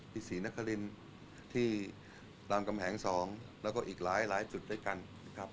ศรีนครินที่รามกำแหง๒แล้วก็อีกหลายจุดด้วยกันนะครับ